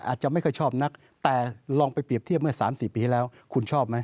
อาจจะไม่ค่อยชอบนักแต่ลองไปเปรียบเทียบเมื่อ๓๔ปีที่แล้วคุณชอบไหม